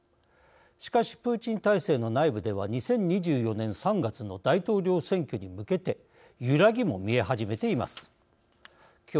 しかし、プーチン体制の内部では２０２４年３月の大統領選挙に向けて揺らぎも見え始めています。